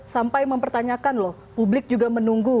sampai mempertanyakan loh publik juga menunggu